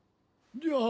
じゃあ